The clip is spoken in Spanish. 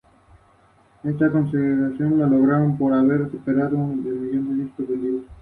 Es un punto turístico visitado por pasajeros de cruceros y yates.